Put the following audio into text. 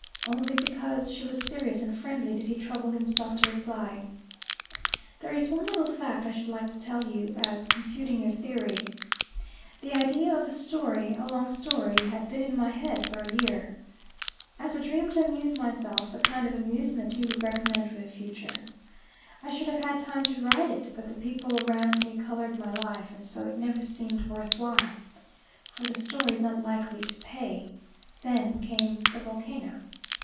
Only because she was serious and friendly did he trouble himself to reply. "There is one little fact I should like to tell you, as confuting your theory. The idea of a story a long story had been in my head for a year. As a dream to amuse myself the kind of amusement you would recommend for the future. I should have had time to write it, but the people round me coloured my life, and so it never seemed worth while. For the story is not likely to pay. Then came the volcano.